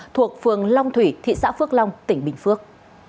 thuộc phường long thủy thị xã phước long tỉnh bình phước